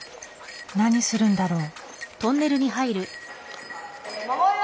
何するんだろう？